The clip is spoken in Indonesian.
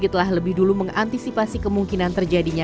faktor yang menurut fomc mengantisipasi kemungkinan terjadinya